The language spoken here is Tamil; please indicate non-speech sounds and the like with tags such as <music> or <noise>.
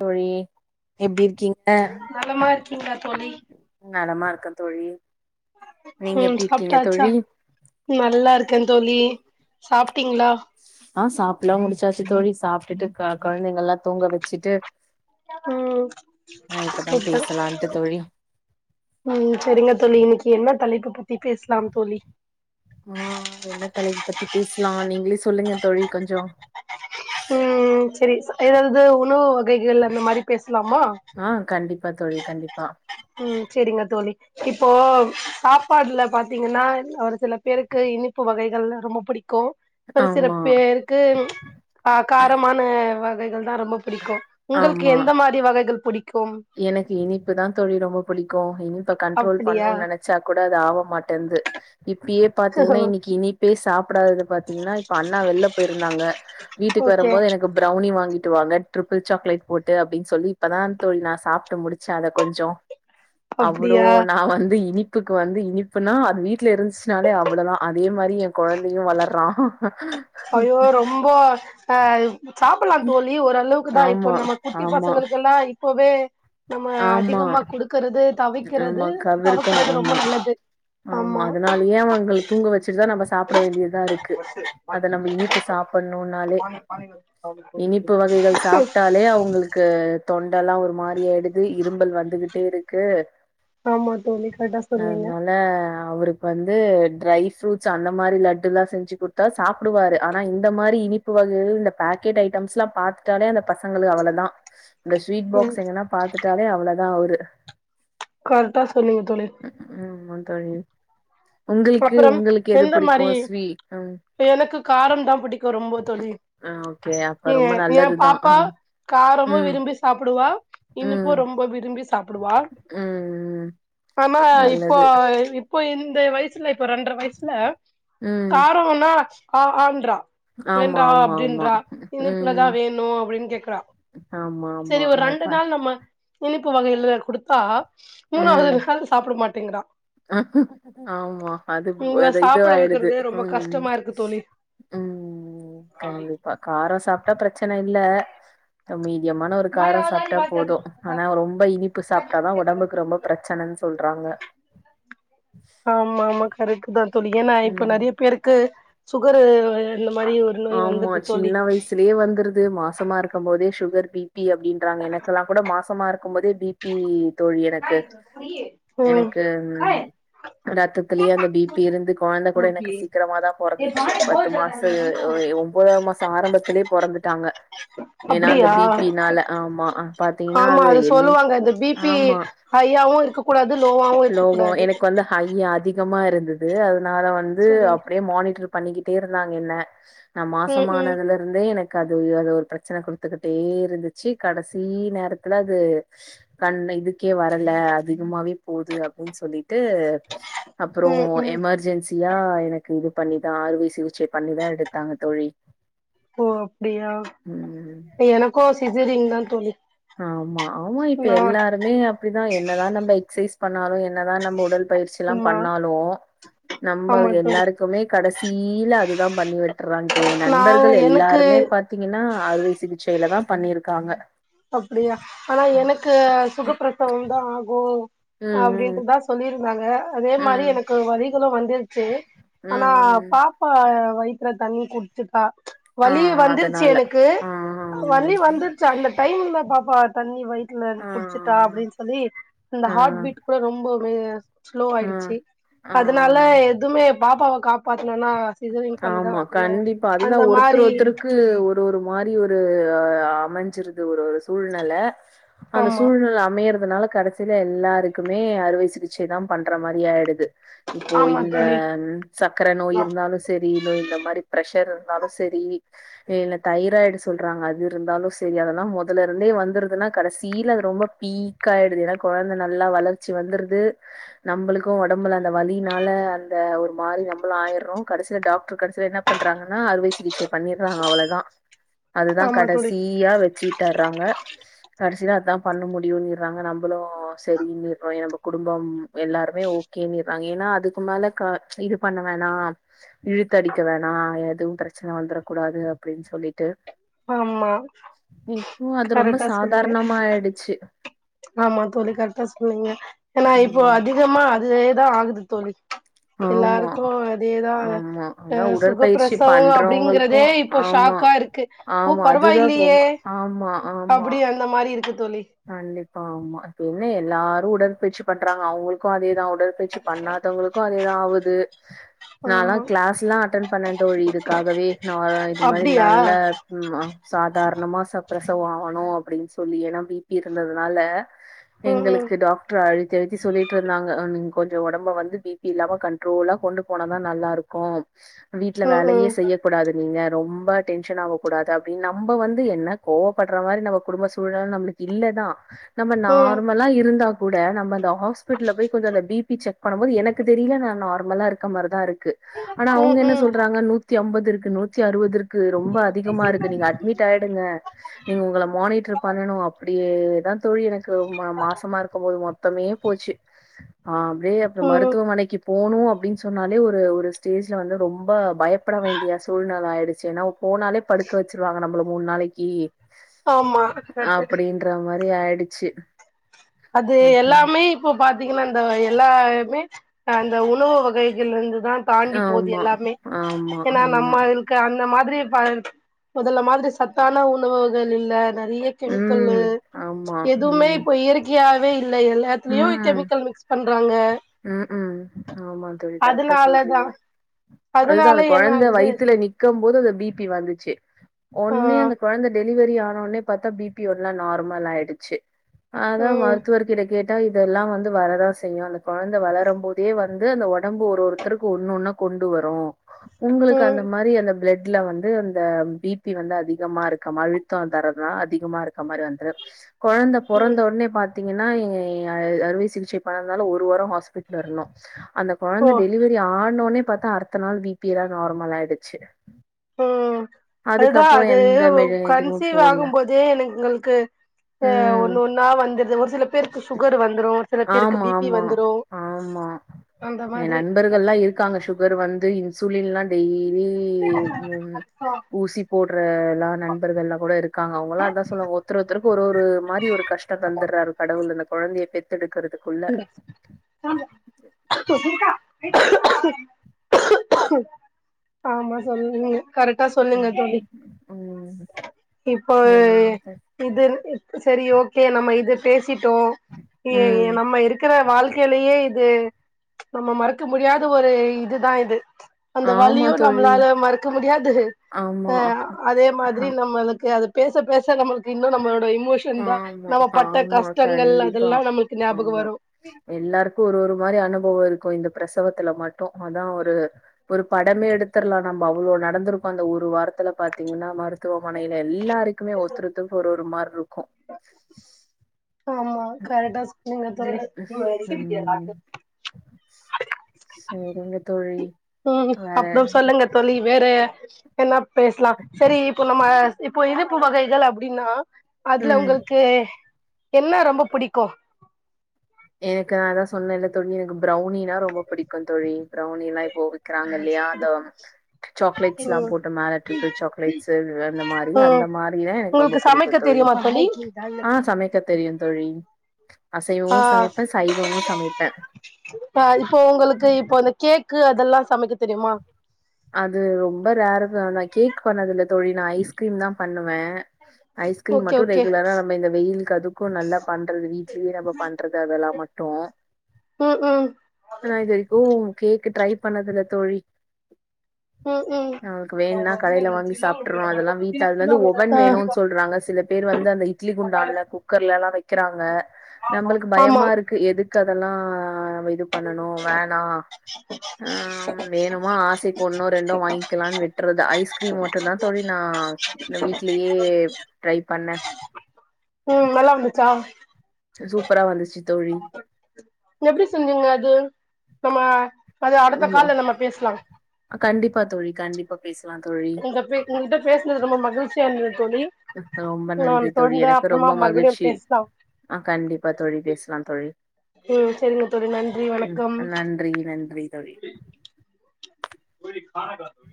தோழி எப்டி இருக்கீங் நலமா இருக்கீங்களா தோழி நலமா இருக்கே தோழி நீங்க ம் எப்டி இருக்கீங்க சாப்ட்டாச்சா தோழி நல்லா இருக்கே தோழி சாப்டீங்களா ஆ சாப்ட்டுலா முடிச்சாச்சு தோழி சாப்டுட்டு கொழந்தைங்களா தூங்க வச்சுட்டு ம் ஆ இப்பதா சூப்பர் பேசலான்ட்டு தோழி ம் சரிங்க தோழி இன்னைக்கு என்ன தலைப்பு பத்தி பேசலாம் தோழி ஆ என்ன தலைப்ப பத்தி பேசலா நீங்களே சொல்லுங்க தோழி கொஞ்சோ ம் சரி எதாவ்து உணவு வகைகள் அந்த மாரி பேஸ்லாமா ஆ கண்டிப்பா தோழி கண்டிப்பா ம் செரிங்க தோழி இப்போ சாப்பாட்ல பாத்தீங்கன்னா ஒரு சில பேருக்கு இனிப்பு வகைகள் ரொம்ப புடிக் க்கு ஒரு சில ஆமா பேருக்கு ஆ காரமான வகைகள் தா ரொம்ப புடிக்கு உங்கள்க்கு ஆமா எந்த மாரி வகைகள் புடிக்கும் எனக்கு இனிப்பு தா தோழி ரொம்ப புடிக்கு இனிப்ப கண்ட்ரோல் பண்ணோ அப்படியா நெனச் ச்சா கூட அது ஆவ மாட்டன்து இப்பயே பாத்தீங்கன்னா இன்னிக்கி இனிப் போய் சாப்டாதது பாத்தீங்ன்னா இப்ப அண்ணா வெள்ல போயிருந்தாங்க வீட்டுக்கு ஓகே வரும்போது எனக்கு பிரவ்னி வாங்கிட்டு வாங்க ட்ரிபிள் சாக்லேட் போட்டு அப்டின் சொல்லி இப்பதா தோழி நாஸ் சாப்ட்டு முடிச்ச அத கொஞ்சோ அவ்ளோ அப்டியா நா வந்து இனிப் புக்கு வந்து இனிப்புனா அது வீட்ல இருந்துச்சுனாலே அவ்ளதா அதே மாதிரி என் கொழந்தையு வளர்றா அய்யய்யோ ரொம்ப அ சாப்புல்லா தோழி ஓரளவுக்குதா இப்ப ஆமா நம்ம குட்டி ஆமா பசங்களுக்கு எல்லா இப்பவே நம்ம ஆமா அதிகமா குடுக்கறது தவிக்கிறது ஆமா கவ்வு இருக்கணு தவிர்க்கிறது ரொம்ப ஆமா நல்லது ஆமா அதனாலயே அவங்கள தூங்க வச்சுட்டுதா நம்ப சாப்ட வேண்டியதாருக்கு அத நம்ம இனிப்பு சாப்பன்னோனாலே இனிப்பு வகைகள் சாப்டாலே அவங்கள்க் க்கு தொண்டல்லா ஒரு மாரி ஆயிடுது இரும்பல் வந்துகிட்டே இருக்கு ஆமா தோழி கர்ட்டா சொன்னீங்க ல அவருக் வந்து ட்ரை ப்ரூட்ஸ் அந்த மாரி லட்டுல்லா செஞ்சு குத்தா சாப் டுவாரு ஆனா இந்த மாரி இனிப்பு வகைகள் இந்த பாக்கெட் ஐட்டம்ஸ்ல்லா பாத்ட்டாலே அந்த பச ங்களு அவ்ளதா இந்த ஸ்வீட் ம் பாக்ஸ் எங்கன்னா பாத்துட்டாலே அவ்ளதா அவுரு கரெக்டா சொன்னீங்க தோழி ம் ம் தோழி உங்களுக்கு அப்புறம் உங்களுக்கு எது எந்த மாரி பிடிக்கும்? ஸ்வீ ம். எனக்கு காரந்தா புடிக்கு ரொம்ப தோழி ஆ ஓகே. அப்ப ரொம்ப ஏன் என் நல்லதுதான். அ. பாப்பா காரமு ம். விரும்பி சாப்புடுவா இனிப்பு ம். ரொம்ப விரும்பி ப்புடுவா ம். ஆனா இப்போ நல்லது. இப்போ இந்த வய்சுல இப்போ ரெண்ட்ர வய்சுல ம். காரோவன்னா ஆ ஆன்றா ஆமா, வேண்டா ஆமா, ஆமா. அப்டின்றா ம். இனிப்புலதா வேனோ அப்டின் கேக்குறா ஆமா, ஆமா. செரி ஒரு நம்ம ரெண்டு பா நாள் நம்ம இனிப்பு வகையில குடுத்தா மூணாவ்து ம். நாள் சாப்ட மாட்டேங்குறா ஆமா அது உங்கள அது இது சாப்ட ஆயிடுது வைக்கிறதே ரொம்ப ம் கஷ்டமா இருக்கு தோழி ம் கண்டு இப்ப காரோ சாப்ட்டா பிரச்சன இல்ல மீடியமான ஒரு காரோ சாப்ட்டா போதோ ஆனா ரொம்ப இனிப்பு சாப்ட்டாதா ஒடம்புக்கு ரொம்ப பிரச்சனன் சொல்றாங்க ஆமா ஆமா கரக்ட்டு தா தோழி ஏன்னா இப்ப ம் நெறைய பேருக்கு சுகரு இந்த மாரி நோய் ஆமா வந்தது தோழி சின்ன வய்சுலயே வந்துரு து மாசமா இருக்கும் போதே சுகர் பி பி அப்டின்றாங்க எனக்கெல்லா கூட மாசமா இருக்கும்போதே பி பி தோழி எனக்கு ம் எனக்கு ரத்தத்திலயே அந்த பி பி இருந்து கொழந்த கூட எனக்கு சீக்கிரமாதா பொறந்துச்சி பத்து மாச ஒ ஒன்பதா மாசோ ஆரம்பத்துலயே பொறந்துட்டாங்க ஏன்னா அந்த அப்டியா பி பினால ஆமா பாத்தீங்கன்னா ஆமா அது என் சொல்லுவாங்க இந்த பி பி ஆமா ஹையாவு இருக்க கூடாது லோவாவு இருக்க லோவா கூடாது எனக்கு வந்து ஹை அதிகமா இருந்தது அதனால வந்து செரி அப்டியே மானிட்டர் பண்ணிக்கிட்டே இருந்தாங்க என்ன நா ம் ம் மாசமானதுல இருந்தே எனக்கு அது அது ஒரு பிரச்சன குடுத்துக்கிட்டே இருந்துச்சு கடைசி நேரத்துல அது கண்ண இதுக்கே வரல அதிகமாவே போது அப்டின் சொல்லிட்டு அப்புறோ ம் ம் எமர்ஜென்சியா எனக்கு இது பண்ணிதா அறுவை சிகிச்சை பண்ணிதா எடுத் தாங்க தோழி ஓ அப்டியா ம். எனக்கு சிசேரியன் தா தோழி ஆமா ஆமா இப்ப நா எல்லாருமே அப்டிதா என்னதா நம்ம எக்சசைஸ் பண்ணாலோ என்னதா நம்ம உடல் பயிற்சில்லா ஆமா பண்ணால்லோ நம்ம ஆமா தோழி எல்லாருக் குமே கடைசியில அதுதா பண்ணி விட்டுறாங்க இப்ப ஏ நா நண்பர்கள் எனக்கு எல்லாருமே பா த்தீங்கன்னா அறுவை சிகிச்சையில தா பண்ணிருக்காங்க அப்டியா ஆனா எனக்கு ம். சுகப்பிரசவம் தா ஆகு அ ப்டின்ட்டு ம். தா சொல்லிருந்தாங்க அதே மாரி ம். எனக்கு வலிகளோ வந்துருச்சு ம். ஆனா ம். பாப் பா வயித்துல தண்ணி குடிச்சிட்டா ஆ வலி வந்துருச்சு அதனால. எனக்கு ஆ. வலி வந்துருச்சு அந்த டைம்ல பாப்பா தண்ணி வயி த்துல ஆ. குடிச்சிட்டா அப்டின் சொல்லி அந்த ஆ. ஹார்ட் ஆ. பீட் கூட ரொம்ப <unintelligible> ஸ்லோ ஆ. ஆயிடுச்சி அதனால ஆ. எதுமே பாப்பாவ காப்பாத்னோனா ஆமா கண்டிப்பா அதுதா ஒருத்தர் மாரி ஒருத்தருக் கு ஒரு ஒரு மாரி ஒரு அமஞ்சிருது ஒரு ஒரு சூழ்நெல அந்த ஆமா சூழ்நெல அமையறதுனால கடசி ல எல்லாருக்குமே அறுவை சிகிச்சைதா பண்ற மாரி ஆயிடுது இப்போ ஆமா இந்த தோழி சக்கர நோய் இருந்தாலோ சரி இன்னு இந்த மாரி ப்ரெஷர் இருந்தாலு சரி இ இல்ல தைராய்டு சொல்றாங்க அது இருந்தாலு சரி அதெல்லா முதலருந்தே வந்துருதுன்னா கடைசியில அது ரொம்ப பீக்கா ஆயிடுது ஏன்னா குழந்த நல்லா வளர்ச்சி வந்துருது நம்பளுக்கு உடம்புல அந்த வலினால அந்த ஒரு மாரி நம்பளு ஆயர்றோ கடசில டாக்டர் கடசில என்ன பண்றாங்கன்னா அறுவை சிகிச்சை பண்ணிறாங்க அவ்ளதா அதுதா ஆமா தோழி கடைசியா வச்சிட்டறாங்க கடசியில அதா பண்ண முடியுன்னிறாங்க நம்பளு சரின்னிறோ நம்ம குடும்பம் எல்லாருமே ஓ கேனிறாங்க ஏன்னா அதுக்கு மேல க இது பண்ண வேணா இழுத்தடிக்க வேணா எதுவு பிரச்சன வந்துர கூடாது அப்டின் சொல்லிட்டு ஆமா இப்போ அது ரொம்ப கரெக்டா சொன்னீங்க சாதாரணமா ஆயிடுச்சு ஆமா தோழி கரெக்டா சொன்னீங்க ஏன்னா இப்போ ம் அதிகமா அதேதா ஆகுது தோழி ஆமா எல்லாருக்கு அதேதா ஆமா அதா அஹ் உடற்பயிற்சி சுகப்பிரசவோ பண்றவங்களுக்கு அப்டிங்றதே இப்போ ஆமா ஷாக்கா இருக்கு ஓ ஆமா. பரவா அதுதான் இல்லயே ரொம்ப ஆமா ஆமா. அப்டி அந்த மாரி இருக்கு தோழி கண்டிப்பா ஆமா இப்ப என்ன எல்லாரு உடற்பயிற்சி பண்றாங்க அவங்களுக்கு அதேதா உடற்பயச்சி பண்ணாதவங்களுக்கு அதேதா ஆவுது நாலா ஆமா கிளாஸ்லா அட்டென் பண்ணே தோழி இதுக்காகவே நாலா இது மாரி அப்டியா நல்ல ம் அ சாதாரணமா ச பிரசவம் ஆவணு அப்டின் சொல்லி ஏனா பி பி இருந்ததுனால ம் ம் எங்களுக்கு டாக்டர் அழி த்தி அழித்தி சொல்லிட்டு இருந்தாங்க ம் கொஞ்சோ உடம்ப வந்து பி பி இல்லாம கண்ட்ரோலா கொண்டு போனதா நல்லா இருக்கு வீட்ல ம் வேலையே ம் செய்ய கூடாது நீங்க ரொம்ப டென்ஷன் ஆவக்க கூடாது அப்டின் நம்ப வந்து என்ன கோவப்படுற மாரி நம்ம குடும்ப சூழல் நிலை நம்பளுக் இல்லதா நம்ப ம் நார்மலா இருந்தா கூட நம்ப அந்த ஹாஸ்பிடல்ல போய் கொஞ்சோ அந்த பிபி செக் பண்ணும்போது எனக்கு தெரியல நா நார்மலா இருக்க மாரிதா இருக்கு ஆனா அவங்க ம் என்ன ம் சொல்றாங்க நூ த்தி அம்பதுஇருக்கு நூத்தி அறுபது இருக்கு ரொம்ப அதிகமா இருக்கு நீங்க அட்மிட் டாயிடுங்க நீங்க உங்களை மானிட்டர் பண்ணனு அப்டியேதா தோழி எனக்கு ம மாசமா இருக்கும்போது மொத்தமே போச்சு ஆ அப்டியே அப்றோ ம் மருத்துவமனைக்கு போணு அப்டின்னு சொன்னாலே ஒரு ஒரு ஸ்டேஜ்ல வந்து ரொம்ப பயப்பட வேண்டிய சூழ்நில ஆயிடுச்சு ஏனாவ் போனாலே படுக்க வச்சுருவாங்க நம்பள மூணு நாளைக்கி ஆமா கரெக்ட் ன்ற மாரி ஆயிடுச்சு அது எல்லாமே இப்ப பாத்தீங்கன்னா இந்த எல்லாமே அந்த உணவு வகைகள் இருந்து தா தாண்டி போது ஆமா, எல்லாமே ஆமா, ஏனா ஆமா. நம்ம க அந்த மாதிரி ச முதல்ல மாதிரி சத்தான உணவுகள் இல்ல நெறைய கெமிக்கல்லு ம். ஆமா. எதுவுமே ம். இப்ப இயற்கையாவே இல்லை எல்லாத்துலயு கெமிக்கல் மிக்ஸ் பண்றாங்க ம் ம் ஆமா தோழி கரெக்டா அதனாலதா சொல்றீங்க அதுதா அதனால அந்த என்ன குழந்தை ஆகுது வயித்துல நிக் க்கும் போது அந்த பி பி வந்துச்சு ஆ ஒன்னு அந்த குழந்த டெ டெலிவரி ஆனோனே பாத்தா பி பி ஒரு நாள் நார்மல் ஆயிடுச்சு அதான் ம் மருத்துவர் கிட்ட கேட் ட இதெல்லா வந்து வரதாசெய் செய்யு அந்த குழந்தை வளரும் போதே வந்து அந்த உடம்பு ஒரு ஒருத்தருக்கு ஒன்னு ஒன்னா கொண்டு வரு உங்களுக்கு ம் அந்த மாரி அந்த பிளட் ல்ல வந்து இந்த பிபி வந்து அதிகமா இருக்க மாரி அழுத்த தரதா அதிகமா இருக்க மாரி வந்துரு குழந்த ம் பொறந்த உடனே பாத்தீங்கன்னா இ அறுவை சிகிச்சை பன்னாலு ஒரு வார ஹாஸ்பிட்டல இருந்தோ அந்த குழந்தை ஓ டெலிவரி ஏ ஆடுனோனே பாத்தா அடுத்த நாள் பி பி ல்லா நார்மல் ஆயிடுச்சு ம் அதுதா அதுக்கப்புறம் அது எந்த மெடி எதுவும் கன்சீவ் போடல. ஆகும் போதே என எங்களுக்கு அ ம். ஒன்னு ஒன்னா வந்துருது ஒரு சில பேருக்கு சுகர் வந்துரு சில பேருக்கு ஆமா பி பி ஆமா வந்துரு ஆமா அந்த என் மாதிரி நண்பர்கள் எல்லா இருக்காங்க சுக சுகர் வந்து இன்சுலின் ல்லா டெய்லி ஊசி போட்ற எல்லா நண்பர்கள் ல்லா கூட இருக்காங்க அவங்கல்லா அதா சொல்லுவாங்க ஒருத்தர் ஒருத்தருக்கு ஒரு ஒரு மாரி ஒரு கஷ் ட்டத தந்துடுறாரு கடவுள் அந்த குழந்தைய பெத்தெடுக்கிறது சொ <unintelligible> ஆமா சொல்லுனிய கரெக்டா சொன்னிங்க ம். தோழி ம். இப்பவே சரிங்க தோழி. இது சரி ஓகே நம்ம இது பேசிட்டோ ஏ ஏ ம். நம்ம நம்ம இருக்கிற வாழ்க்கையிலயே இது நம்ம மறக்க முடியாத ஒரு இதுதா இது அந்த ஆமா வலியு தோழி. நம்மளால மறக்க முடியாது ஆமா. அ அதே மாதிரி ஆ- நம்மளுக்கு அது பேச பேச நம்மளுக்கு இன்னும் நம்மளோட இமோஷன் தா ஆமா, நம்ம பட்ட ஆமா. கஷ்டங்கள் அதெல்லா நம்மளுக்கு ஞாபகத்து எல்லாருக்கு ஒரு ஒரு மாரி அனுபவம் இருக்கும் இந்த பிரசவத்துல மட்டு அதா ஒரு ஒரு படமே எடுத்தர்லா நம்ப அவ்ளோ நடந்துருக்கு அந்த ஒரு வாரத்துல பாத்தீங்கன்னா மரு மருத்துவமனையில எல்லாருக்குமே ஒருத்தர் ஒருத்தருக்கு ஒரு ஒரு மார் இருக்கும் ஆமா கரெக்டா சொன்னிங்க தோழி ம் சரிங்க தோழி ம் வேற அப்றோ சொல்லுங்க தோழி வேற என்ன பேசலா செரி இப்போ நம்ம இப்போ இனிப்பு வகைகள் அப்டின்னா அதுல ம் உங்களுக்கு என்ன ரொம்ப புடிக்கு எனக்கு நா தா சொன்ன இல்ல தோழி எனக்கு ப்ரௌனினா ரொம்ப புடிக்கு தோழி ப்ரௌனினா இப்போ விக்கறாங்க இல்லயா அந்த சாக்லேட்ஸ்ல்லா ம் போட்டு மேல ட்ரிபிள் சாக்லேட்ஸு அந்த மாரி ம் அந்த மாரியே ரொம்ப உங்களுக்கு புடிக்கு சமைக்க தோழி தெரியுமா ஆ சமைக்க தெரியு தோழி அசைவமு சமைப்ப சைவமு சமைப்ப அ இப்போ உங்களுக்கு இப்போ இந்த கேக்கு அதெல்லா சமைக்க தெரிமா அது ரொம்ப ரேருதா நா கேக் பண்ணது இல்ல தோழி நா ஐஸ்கிரீம் தா பண்ணுவ ஐஸ்கிரீம் ஓகே மட்டு ஓகே ரெகுலரா நம்ம இந்த வெயிலுக்கு அதுக்கு நல்லா பண்றது வீட்லேயே நம்ம பண்றது அதெல்லா மட்டு ம்க்கு ஆனா இது வரைக்கு கேக்கு ட்ரை பண்ணதுல்ல தோழி ம் ம் நமக்கு வேண்னா கடைல வாங்கி சாப்ட்றோ அதெல்லா வீட்டு அதுல இருந்து ஒவன் ஆ வேணு சொல்றாங்க சில பேர் வந்து அந்த இட்லி குண்டான்ல குக்கர்ல எல்லா வைக்கறாங்க நம்மளுக்கு ஆமா பயமா இருக்கு எதுக் கதலா இது பண்ணணு வேணா ஆ வேணுமா ஆசைக் ஒன்னோ ரெண்டோ வாய்ங்க்கலானு விட்றது ஐஸ்கிரீம் மட்டுதா தோழி நா வீட்லயே ட்ரை பண்ண ம் நல்லா வந்துச்சா சூப்பரா வந்துச்சு தோழி எப்டி செஞ்சிக்க அது நம்ம அது அடுத்த ம் கால்ல நம்ம பேசலா கண்டிப்பா தோழி கண்டிப்பா பேசலா தோழி இத பே உங்கிட்ட பேஸ்னது ரொம்ப மகிழ்ச்சியா இருத்துது தோழி ரொம்ப நன்றி நம்ம தோழி தொடர்ந்து எனக்கு அப்புறமா ரொம்ப மறுபடியும் மகிழ்ச்சி பேசலாம் ஆ கண்டிப்பா தோழி பேசலா தோழி ம் சரிங்க தோழி நன்றி ம் வணக்கம் நன்றி நன்றி தோழி <unintelligible>